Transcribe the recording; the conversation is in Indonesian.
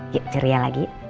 yuk ceria lagi